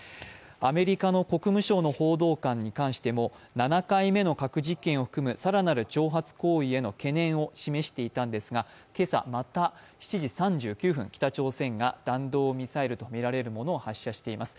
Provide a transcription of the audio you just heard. アメリカの国務省の報道官に関しても、７回目の核実験に対しても更なる挑発行為への懸念を示していたんですが今朝、また７時３９分、北朝鮮が弾道ミサイルとみられるものを発射しています。